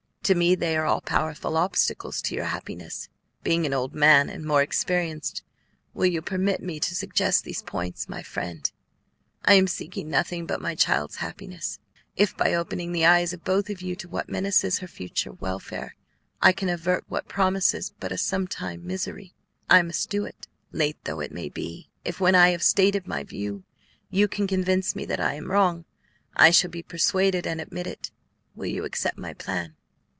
To me they are all powerful obstacles to your happiness. Being an old man and more experienced, will you permit me to suggest these points? My friend, I am seeking nothing but my child's happiness; if, by opening the eyes of both of you to what menaces her future welfare, I can avert what promises but a sometime misery, I must do it, late though it may be. If, when I have stated my view, you can convince me that I am wrong, I shall be persuaded and admit it. Will you accept my plan?"